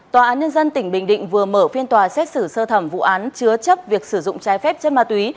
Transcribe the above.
tòa án nhân dân tỉnh bình định vừa mở phiên tòa xét xử sơ thẩm vụ án chứa chấp việc sử dụng trái phép chất ma túy